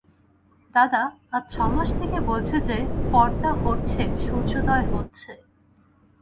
দাদা, আজ ছমাস থেকে বলছি যে, পর্দা হঠছে, সূর্যোদয় হচ্ছে।